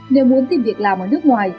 nếu muốn tìm việc làm ở nước ngoài